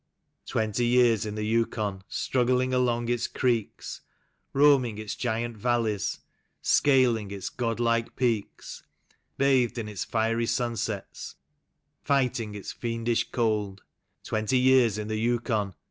" Twenty years in the Yukon, struggling along its creeks ; Eoaming its giant valleys, scaling its god like peaks; 14 THE PARSON'S SON. Bathed in its fiery sunsets, fighting its fiendish cold, Twenty years in the Yukon